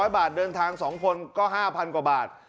๐บาทเดินทาง๒คนก็๕๐๐กว่าบาท